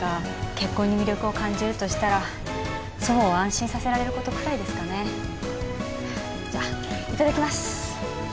結婚に魅力を感じるとしたら祖母を安心させられることくらいですかねじゃいただきます